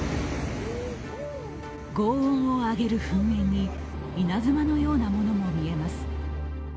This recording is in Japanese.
ごう音を上げる噴煙に稲妻のようなものも見えます。